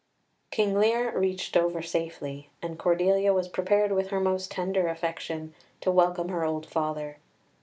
King Lear reached Dover safely, and Cordelia was prepared with the most tender affection to welcome her old father.